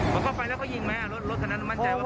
เขาเข้าไปแล้วก็ยิงไหมรถข้างนั้นมั่นใจว่าเขายิงไหม